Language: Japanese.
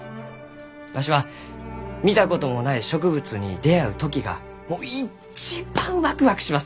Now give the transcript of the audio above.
わしは見たこともない植物に出会う時がもう一番ワクワクしますき！